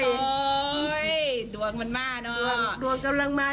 โอ่ยดวงมันมาเนาะ